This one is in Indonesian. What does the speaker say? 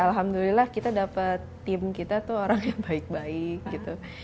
alhamdulillah kita dapat tim kita tuh orang yang baik baik gitu